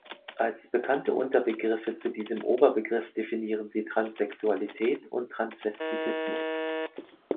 Als bekannte Unterbegriffe zu diesem Oberbegriff definieren sie Transsexualität und Transvestitismus.